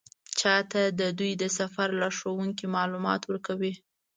چا ته د دوی د سفر لارښوونکي معلومات ورکوي.